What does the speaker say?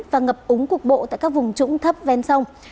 và ngập úng cục bộ tại các vùng trũng thấp ven sông